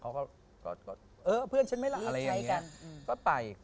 ก็เออเพื่อนฉันไม่รักอะไรอย่างนี้ก็ไป